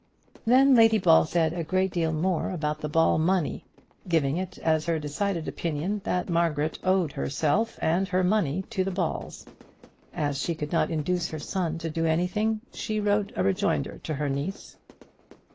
Then Lady Ball said a great deal more about the Ball money, giving it as her decided opinion that Margaret owed herself and her money to the Balls. As she could not induce her son to do anything, she wrote a rejoinder to her niece.